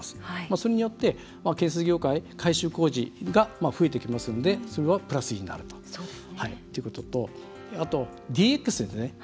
それによって、建設業界改修工事が増えてきますのでそれはプラスになるということとあと、ＤＸですね。